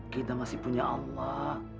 kita masih punya allah